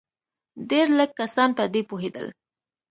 ډېر لږ کسان په دې پوهېدل.